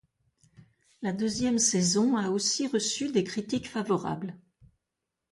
La deuxième saison a aussi reçu des critiques favorables.